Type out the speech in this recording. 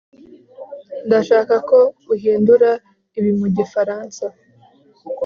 ndashaka ko uhindura ibi mu gifaransa